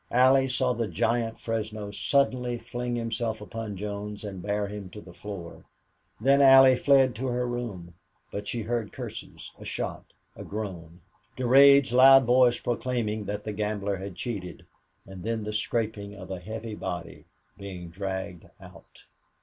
Allie saw the giant Fresno suddenly fling himself upon Jones and bear him to the floor. Then Allie fled to her room. But she heard curses a shot a groan Durade's loud voice proclaiming that the gambler had cheated and then the scraping of a heavy body being dragged out.